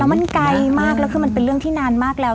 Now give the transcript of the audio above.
มันไกลมากแล้วคือมันเป็นเรื่องที่นานมากแล้ว